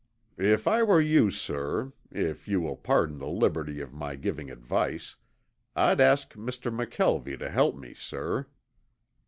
"If I were you, sir, if you will pardon the liberty of my giving advice, I'd ask Mr. McKelvie to help me, sir."